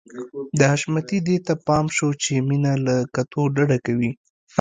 د حشمتي دې ته پام شو چې مينه له کتو ډډه کوي.